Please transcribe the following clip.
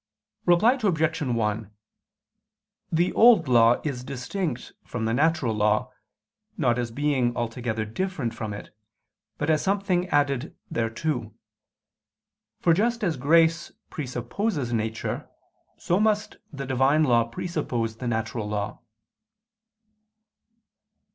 Reply Obj. 1: The Old Law is distinct from the natural law, not as being altogether different from it, but as something added thereto. For just as grace presupposes nature, so must the Divine law presuppose the natural law.